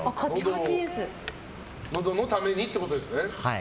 どのためにってことですね。